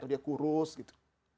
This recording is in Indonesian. dia kurus gitu